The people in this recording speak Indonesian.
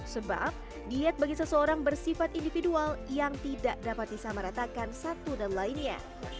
sebab diet bagi seseorang bersifat individual yang tidak dapat disamaratakan satu dan lainnya